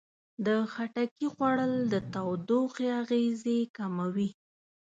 د خټکي خوړل د تودوخې اغېزې کموي.